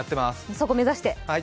そこを目指して。